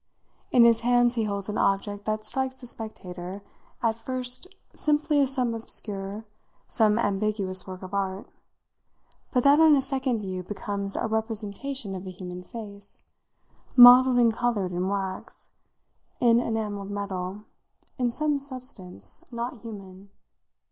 In his hand he holds an object that strikes the spectator at first simply as some obscure, some ambiguous work of art, but that on a second view becomes a representation of a human face, modelled and coloured, in wax, in enamelled metal, in some substance not human.